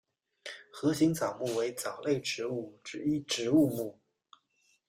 盒形藻目为藻类植物之一植物目。